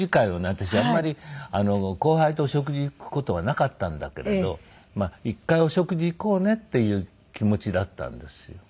私あんまり後輩とお食事行く事はなかったんだけれど一回お食事行こうねっていう気持ちだったんですよ。